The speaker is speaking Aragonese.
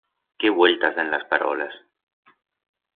Qué vueltas dan las parolas!